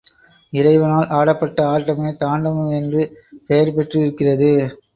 இறைவனால் ஆடப்பட்ட ஆட்டமே தாண்டவம் என்று பெயர் பெற்றிருக்கிறது.